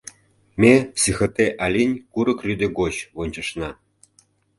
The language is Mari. Ме Сихотэ-Алинь курык рӱдӧ гоч вончышна.